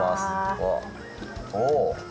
うわっ、おっ。